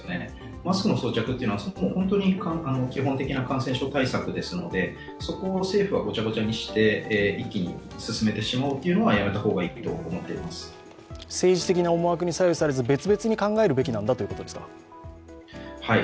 マスクの装着というのは基本的な感染症対策ですのでそこを政府はごちゃごちゃにして、一気に進めてしまおうというのは政治的な思惑に左右されず、別々に考えるべきだと。